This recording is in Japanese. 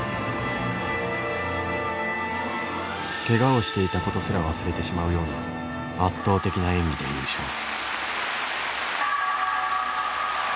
けがをしていたことすら忘れてしまうような圧倒的な演技で優勝。